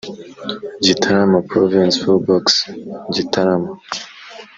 Gitarama Province P O Box Gitarama